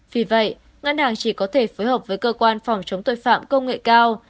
vì vậy ngân hàng chỉ có thể phối hợp với cơ quan phòng chống tội phạm công nghệ cao